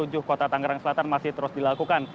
kota tangerang selatan masih terus dilakukan